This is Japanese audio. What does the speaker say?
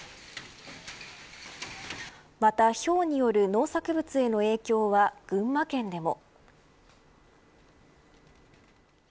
また、ひょうによる農作物への影響は群馬県でも。